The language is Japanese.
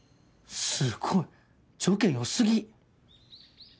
すごい条件良過ぎ。